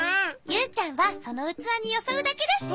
ユウちゃんはそのうつわによそうだけだし。